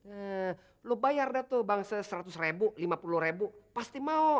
eh lo bayar deh tuh bangsa seratus ribu lima puluh ribu pasti mau